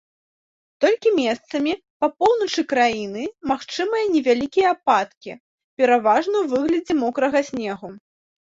Толькі месцамі па поўначы краіны магчымыя невялікія ападкі, пераважна ў выглядзе мокрага снегу.